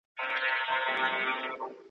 له ماشومانو سره لوبې کول وخت ضایع کول نه دي.